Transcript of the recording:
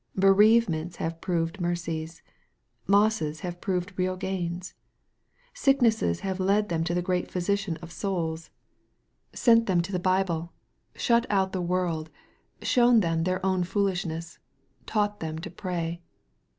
Bereavements have proved mercies. Losses have proved real gains. Sicknesses have led them to the great Physician of souls, sent them MARK, CHAP. II. 29 to the Bible, shut out the world, shown them their own foolishness, taught them to pray.